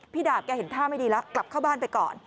ดาบแกเห็นท่าไม่ดีแล้วกลับเข้าบ้านไปก่อน